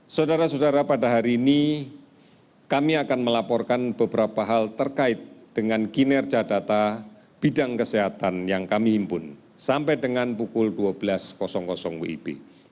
saudara saudara pada hari ini kami akan melaporkan beberapa hal terkait dengan kinerja data bidang kesehatan yang kami himpun sampai dengan pukul dua belas wib